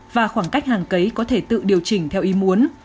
và khoảng cách hàng cấy có thể tự điều chỉnh theo ý muốn